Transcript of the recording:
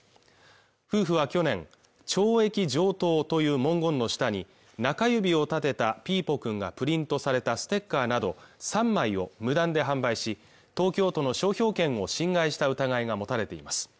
夫婦は去年懲役上等という文言の下に中指を立てたピーポくんがプリントされたステッカーなど３枚を無断で販売し東京都の商標権を侵害した疑いが持たれています